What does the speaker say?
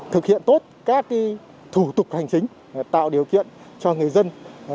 thực hiện tốt các thủ tục hành chính tạo điều kiện cho người dân